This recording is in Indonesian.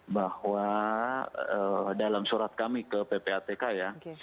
bahwa dalam surat kami ke ppatk ya